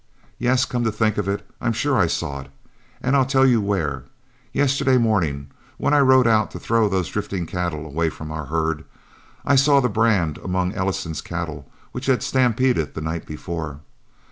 Yes, come to think, I'm sure I saw it, and I'll tell you where: yesterday morning when I rode out to throw those drifting cattle away from our herd, I saw that brand among the Ellison cattle which had stampeded the night before.